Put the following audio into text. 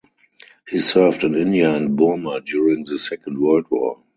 He served in India and Burma during the Second World War.